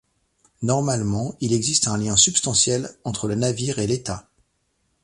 Normalement il existe un lien substantiel entre le navire et l’État.